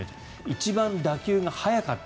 一番打球が速かった。